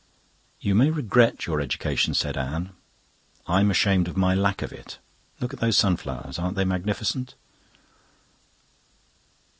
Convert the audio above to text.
"You may regret your education," said Anne; "I'm ashamed of my lack of it. Look at those sunflowers! Aren't they magnificent?"